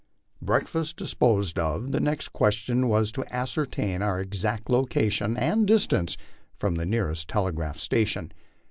Breakfast disposed of, the next question was to ascertain our exact loca tion and distance from the nearest telegraph station.